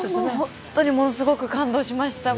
本当にすごく感動しました。